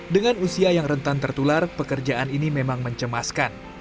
dengan usia yang rentan tertular pekerjaan ini memang mencemaskan